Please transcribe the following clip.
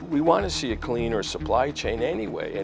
kita ingin melihat jaringan pengeluaran yang lebih bersih